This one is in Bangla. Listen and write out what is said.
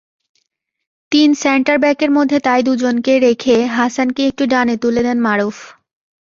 তিন সেন্টারব্যাকের মধ্যে তাই দুজনকে রেখে হাসানকে একটু ডানে তুলে দেন মারুফ।